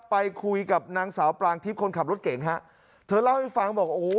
ไปคุยกับนางสาวปรางทิพย์คนขับรถเก่งฮะเธอเล่าให้ฟังบอกโอ้โห